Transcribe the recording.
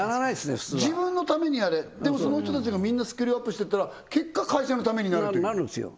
普通は自分のためにやれでもその人たちがみんなスキルアップしてったら結果会社のためになるっていうなるんですよ